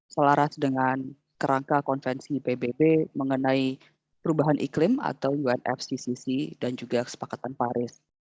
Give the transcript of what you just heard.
selaras dengan kerangka konvensi pbb mengenai perubahan iklim atau unfcc dan juga kesepakatan paris